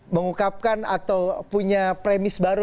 mengungkapkan atau punya premis baru